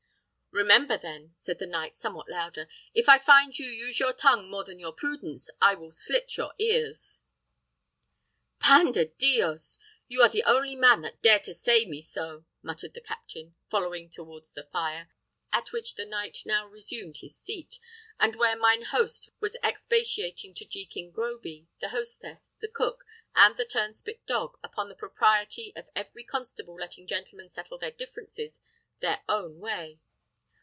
"Remember, then," said the knight, somewhat louder, "if I find you use your tongue more than your prudence, I will, slit your ears!" "Pan de Dios! you are the only man that dare to say me so," muttered the captain, following towards the fire, at which the knight now resumed his seat, and where mine host was expatiating to Jekin Groby, the hostess, the cook, and the turnspit dog, upon the propriety of every constable letting gentlemen settle their differences their own way.